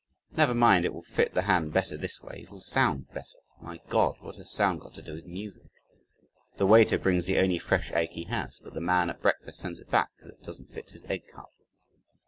"Never mind, it will fit the hand better this way it will sound better." My God! what has sound got to do with music! The waiter brings the only fresh egg he has, but the man at breakfast sends it back because it doesn't fit his eggcup.